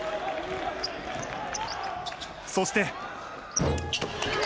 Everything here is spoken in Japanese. そして。